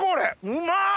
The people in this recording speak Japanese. うまっ！